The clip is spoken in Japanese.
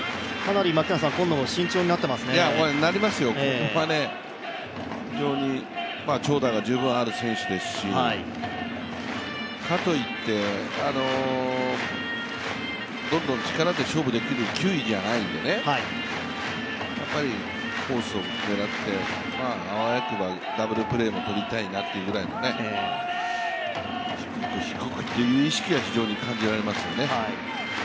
なりますよ、非常に長打が十分ある選手ですしかといってどんどん力で勝負できる球威じゃないんでやっぱりコースを狙って、あわよくばダブルプレーも取りたいなっていうぐらいの低く、低くっていう意識が非常に感じられますよね。